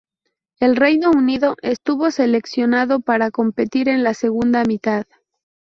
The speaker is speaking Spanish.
El Reino Unido estuvo seleccionado para competir en la segunda mitad.